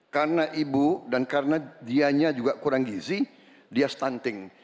karena ibu dan karena dianya juga kurang gizi dia stunting